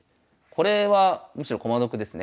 これはむしろ駒得ですね。